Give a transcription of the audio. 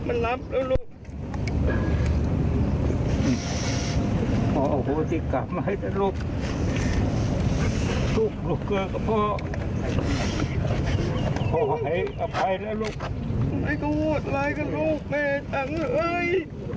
ไม่กลัวอะไรก็ลูกแม่จังเลย